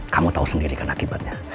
kamu tahu sendiri kan akibatnya